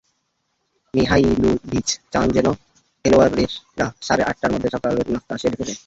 Mihajlovic চান যেন খেলোয়াড়েরা সাড়ে আটটার মধ্যে সকালের নাশতা সেরে ফেলে।